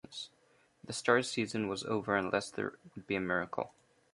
The Stars season was over unless there would be a miracle.